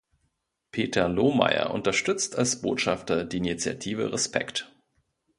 Peter Lohmeyer unterstützt als Botschafter die Initiative Respekt!